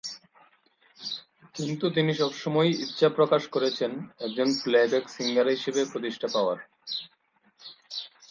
কিন্তু, তিনি সবসময়ই ইচ্ছা প্রকাশ করেছেন একজন প্লে ব্যাক সিঙ্গার হিসাবে প্রতিষ্ঠা পাওয়ার।